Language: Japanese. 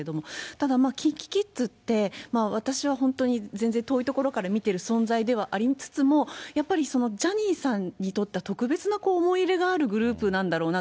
ただ、ＫｉｎＫｉＫｉｄｓって、私は本当に全然、遠いところから見ている存在ではありつつも、やっぱりジャニーさんにとっては特別な思い入れがあるグループなんだろうな。